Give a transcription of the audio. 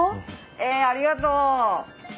えありがとう。